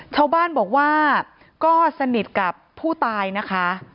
ชาวบ้านบอกว่าก็สนิทกับผู้ตายนะคะ